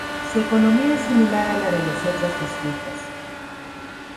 Su economía es similar a la de los otros distritos.